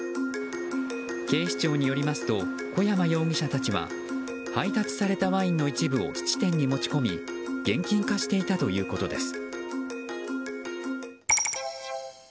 警視庁によりますと湖山容疑者たちは配達されたワインの一部を質店に持ち込み現金化していたということです。